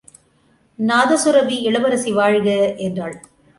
நாதசுரபி இளவரசி வாழ்க! என்றாள்.